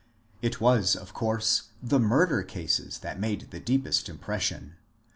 It was of course the murder cases that made the deepest impression.